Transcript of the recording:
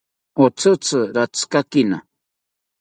Otzitzi ratzikakina